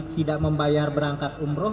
tidak membayar berangkat umroh